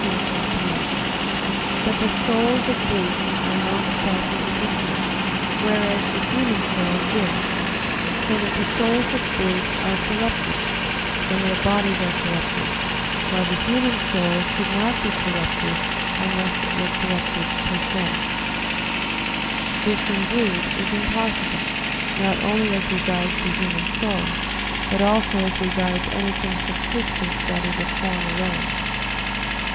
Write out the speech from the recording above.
2, 3) that the souls of brutes are not self subsistent, whereas the human soul is; so that the souls of brutes are corrupted, when their bodies are corrupted; while the human soul could not be corrupted unless it were corrupted per se. This, indeed, is impossible, not only as regards the human soul, but also as regards anything subsistent that is a form alone.